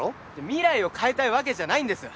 未来を変えたいわけじゃないんです。